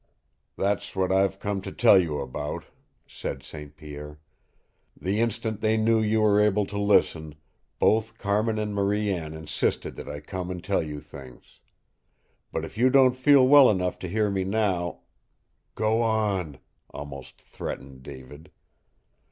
"That's what I've come to tell you about," said St. Pierre. "The instant they knew you were able to listen, both Carmin and Marie Anne insisted that I come and tell you things. But if you don't feel well enough to hear me now " "Go on!" almost threatened David.